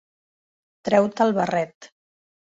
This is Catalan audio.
Treu-te el barret.